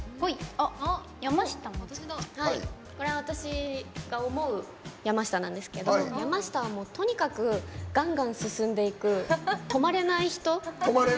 これは私が思う山下なんですけど山下はとにかくガンガン進んでいく止まれない人。